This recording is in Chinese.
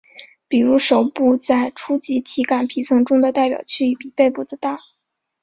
比如手部在初级体感皮层中的代表区域比背部的大。